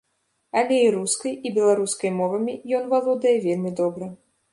Але і рускай, і беларускай мовамі ён валодае вельмі добра.